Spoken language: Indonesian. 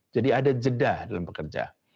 jadi ada jeda dalam pekerja